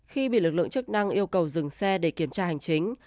khi bị lực lượng chức năng yêu cầu dừng xe để kiểm tra hành chính